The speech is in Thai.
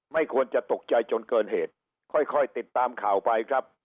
ไม่ควรจะตกใจจนเกินเหตุค่อยติดตามข่าวไปครับ